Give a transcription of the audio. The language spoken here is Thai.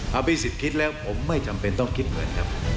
อภิษฎคิดแล้วผมไม่จำเป็นต้องคิดเงินครับ